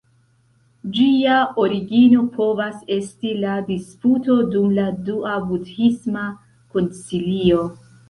Ĝia origino povas esti la disputo dum la Dua Budhisma Koncilio.